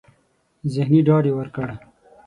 ذهني ډاډ يې ورکړ.